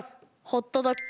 ホットドッグ。